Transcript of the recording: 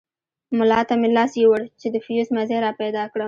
ملا ته مې لاس يووړ چې د فيوز مزي راپيدا کړم.